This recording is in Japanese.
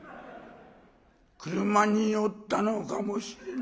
車に酔ったのかもしれない。